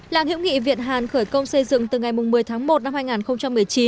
làng hiễu nghị việt hàn khởi công xây dựng từ ngày một mươi tháng một năm hai nghìn một mươi chín